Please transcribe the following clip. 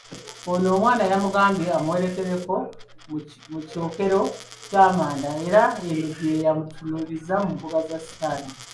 Ono, omwana yamugambye amuwerekereko ku kyokero ky'amanda era eno gye yamutunuulirizza mu mbuga ya sitaani.